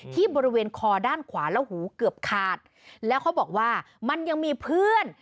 ที่บริเวณคอด้านขวาแล้วหูเกือบขาดแล้วเขาบอกว่ามันยังมีเพื่อน